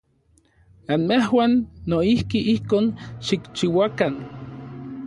Anmejuan noijki ijkon xikchiuakan.